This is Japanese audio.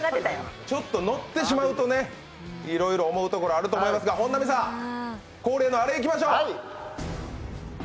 ちょっと乗ってしまうといろいろ思うところあると思いますけど、本並さん、恒例のあれいきましょう。